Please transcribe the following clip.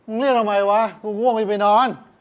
นายเรียกทำไมวะกูห่วงไปไปนอน